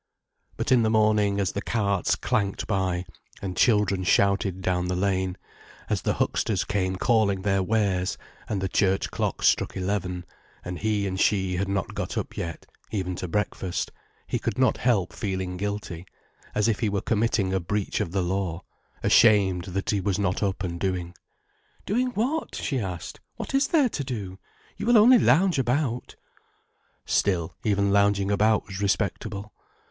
But in the morning, as the carts clanked by, and children shouted down the lane; as the hucksters came calling their wares, and the church clock struck eleven, and he and she had not got up yet, even to breakfast, he could not help feeling guilty, as if he were committing a breach of the law—ashamed that he was not up and doing. "Doing what?" she asked. "What is there to do? You will only lounge about." Still, even lounging about was respectable.